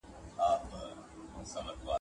• ول دښمن دي ړوند دئ، ول بينايي ئې کېږي.